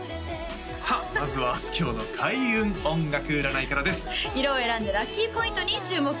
さあまずはあすきょうの開運音楽占いからです色を選んでラッキーポイントに注目！